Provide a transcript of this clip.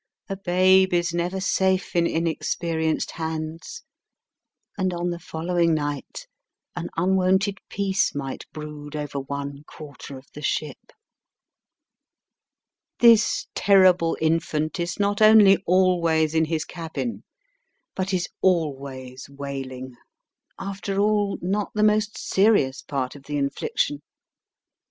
A babe is never safe in inexperienced hands, and on the following night an un wonted peace might brood over one quarter of the ship. 'This terrible infant is not only Digitized by VjOOQIC 16 EAST BY WEST. always in his cabin, but is always wailing, after all not the most serious part of the infliction.